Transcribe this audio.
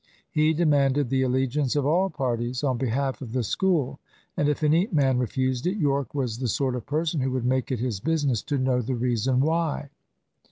He demanded the allegiance of all parties on behalf of the School, and if any man refused it, Yorke was the sort of person who would make it his business to know the reason why.